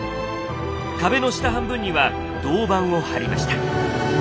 壁の下半分には銅板を張りました。